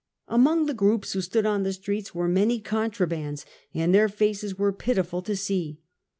Among the groups who stood in the streets were many contrabands, and their faces were pitiful to see.